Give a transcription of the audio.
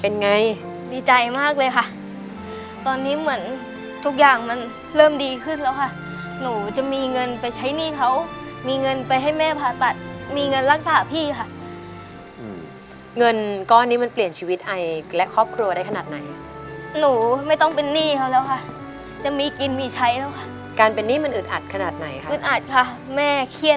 เป็นไงดีใจมากเลยค่ะตอนนี้เหมือนทุกอย่างมันเริ่มดีขึ้นแล้วค่ะหนูจะมีเงินไปใช้หนี้เขามีเงินไปให้แม่ผ่าตัดมีเงินรักษาพี่ค่ะเงินก้อนนี้มันเปลี่ยนชีวิตไอและครอบครัวได้ขนาดไหนหนูไม่ต้องเป็นหนี้เขาแล้วค่ะจะมีกินมีใช้แล้วค่ะการเป็นหนี้มันอึดอัดขนาดไหนค่ะอึดอัดค่ะแม่เครียด